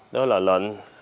đó là lệnh